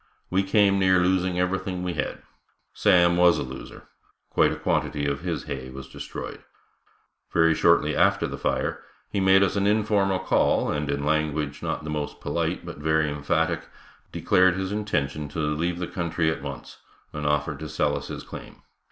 We came near losing everything we had. Sam was a loser, quite a quantity of his hay was destroyed. Very shortly after the fire he made us an informal call and in language not the most polite but very emphatic, declared his intention to leave the country at once and offered to sell us his claim.